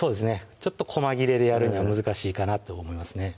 ちょっとこま切れでやるには難しいかなって思いますね